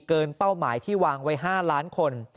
เป้าหมายที่วางไว้๕ล้านคน